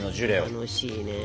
楽しいね。